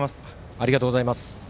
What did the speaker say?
ありがとうございます。